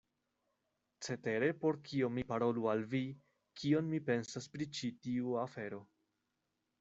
Cetere por kio mi parolu al vi, kion mi pensas pri ĉi tiu afero.